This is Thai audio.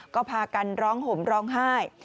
ก็พากันร้องห่มร้องไห้